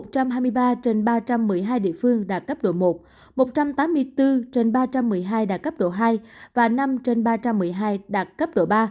một trăm hai mươi ba trên ba trăm một mươi hai địa phương đạt cấp độ một một trăm tám mươi bốn trên ba trăm một mươi hai đạt cấp độ hai và năm trên ba trăm một mươi hai đạt cấp độ ba